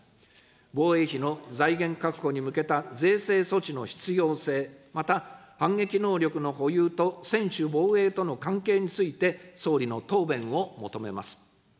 防衛費の財源確保に向けた税制措置の必要性、また反撃能力の保有と専守防衛との関係について、総理の答弁を求めます。